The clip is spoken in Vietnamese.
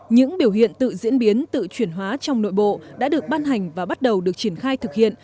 những biểu hiện tự diễn biến tự chuyển hóa trong nội bộ đã được ban hành và bắt đầu được triển khai thực hiện